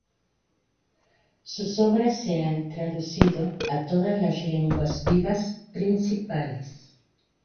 Sus obras se han traducido a todas las lenguas vivas principales.